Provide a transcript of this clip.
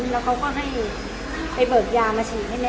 แล้วเขาก็ให้ไปเบิกยามาฉีดให้แม่